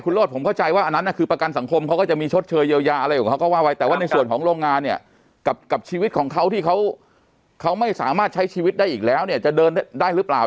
อคุณรอดยังไม่ได้ตกลงนะเพราะหลวงพ่อได้ฟังเขาเสนอมาแล้วแล้วมันโอ้มันน้อยเกินไปหรือเปล่า